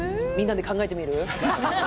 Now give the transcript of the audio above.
みんなで考えてみる？